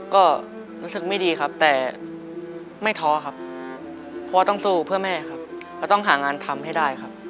ก็รู้สึกไม่ดีครับแต่ไม่ท้อครับพ่อต้องสู้เพื่อแม่ครับแล้วต้องหางานทำให้ได้ครับ